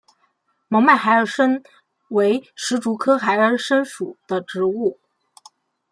毛脉孩儿参为石竹科孩儿参属的植物。